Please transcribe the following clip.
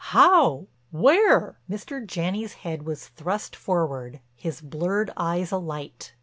"How—where?" Mr. Janney's head was thrust forward, his blurred eyes alight.